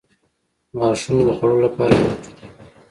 • غاښونه د خوړلو لپاره ضروري دي.